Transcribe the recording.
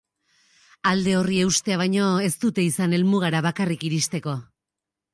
Alde horri eustea baino ez dute izan helmugara bakarrik iristeko.